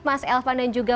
mas elvan dan juga